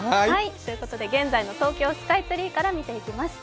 現在の東京スカイツリーから見ていきます。